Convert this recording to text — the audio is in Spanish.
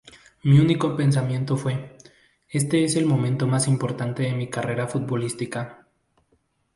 Mi único pensamiento fue "Este es el momento más importante de mi carrera futbolística.